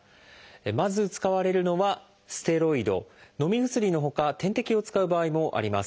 まず使われるのはステロイド。のみ薬のほか点滴を使う場合もあります。